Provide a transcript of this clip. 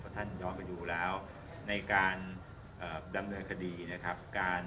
ท่านย้อนไปดูแล้วในการดำเนินคดีนะครับ